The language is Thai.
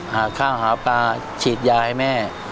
หาข้าวหาปลาฉีดยาให้แม่